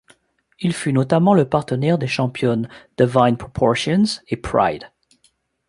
Il fut notamment le partenaire des championnes Divine Proportions et Pride.